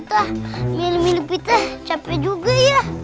ternyata milim milim kita capek juga ya